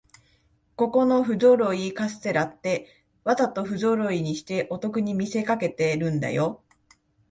ここのふぞろいカステラって、わざとふぞろいにしてお得に見せかけてるんだよ